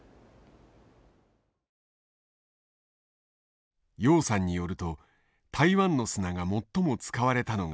楊さんによると台湾の砂が最も使われたのが香港の空港。